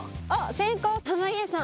先攻濱家さん。